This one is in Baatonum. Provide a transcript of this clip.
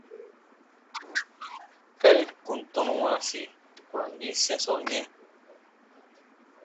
Gari ku tɔnu wãasi, u ku ra n yin sɛ̃sɔ yɛ̃.